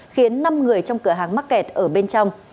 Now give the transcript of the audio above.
khiến năm người trong cửa hàng mắc kẹt ở bên trong